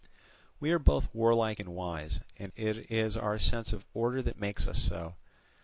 We are both warlike and wise, and it is our sense of order that makes us so.